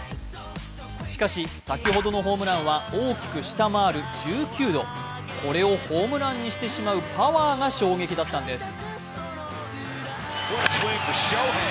しかし、先ほどのホームランは大きく下回る１９度これをホームランにしてしまうパワーが衝撃だったんです。